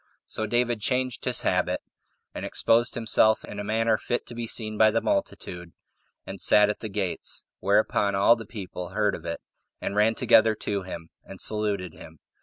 So David changed his habit, and exposed himself in a manner fit to be seen by the multitude, and sat at the gates; whereupon all the people heard of it, and ran together to him, and saluted him.